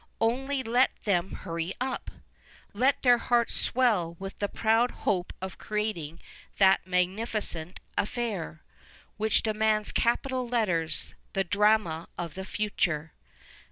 Only let them hurry up ! Let their hearts swell with the proud hope of creating that magnificent affair, which demands capital letters, the Drama of the Future.